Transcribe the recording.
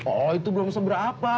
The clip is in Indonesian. oh itu belum seberapa